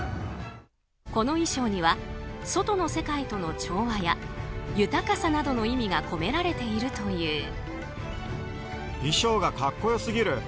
この衣装には外の世界との調和や豊かさなどの意味が込められているという。